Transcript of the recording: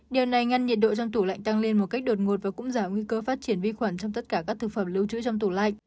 điều này ngăn nhiệt độ trong tủ lạnh tăng lên một cách đột ngột và cũng giảm nguy cơ phát triển vi khuẩn trong tất cả các thực phẩm lưu trữ trong tủ lạnh